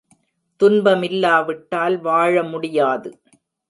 துன்பமில்லாவிட்டால் வாழ முடியாது.